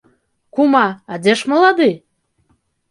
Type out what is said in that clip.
Кума, а дзе ж малады?